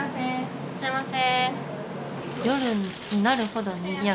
いらっしゃいませ。